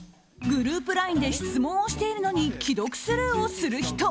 グループＬＩＮＥで質問をしているのに既読スルーをする人。